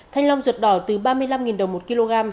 thanh long ruột đỏ từ ba mươi năm đồng một kg